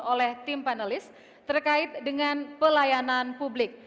oleh tim panelis terkait dengan pelayanan publik